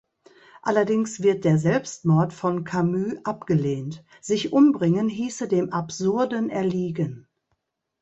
Allerdings wird der Selbstmord von Camus abgelehnt; sich umbringen hieße dem Absurden erliegen.